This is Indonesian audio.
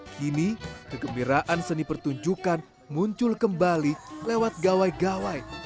kini kegembiraan seni pertunjukan muncul kembali lewat gawai gawai